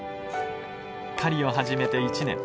狩りを始めて１年。